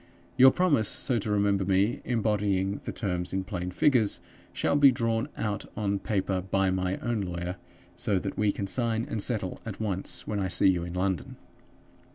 Your promise so to remember me, embodying the terms in plain figures, shall be drawn out on paper by my own lawyer, so that we can sign and settle at once when I see you in London.